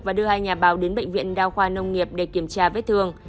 và đưa hai nhà báo đến bệnh viện đao khoa nông nghiệp để kiểm tra vết thương